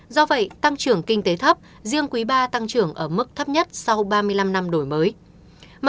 do vậy tăng trưởng kinh tế thấp riêng quý ba tăng trưởng ở mức thấp nhất sau ba năm